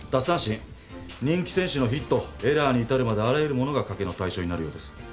三振人気選手のヒットエラーに至るまであらゆるものが賭けの対象になるようです。